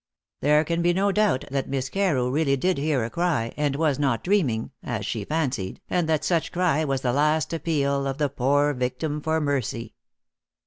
There can be no doubt that Miss Carew really did hear a cry, and was not dreaming, as she fancied, and that such cry was the last appeal of the poor victim for mercy.